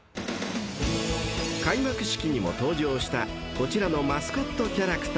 ［開幕式にも登場したこちらのマスコットキャラクター］